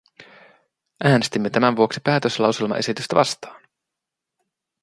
Äänestimme tämän vuoksi päätöslauselmaesitystä vastaan.